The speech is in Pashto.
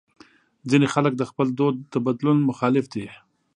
ځینې خلک د خپل دود د بدلون مخالف دي.